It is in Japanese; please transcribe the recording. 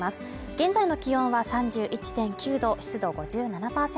現在の気温は３１．９度湿度５７％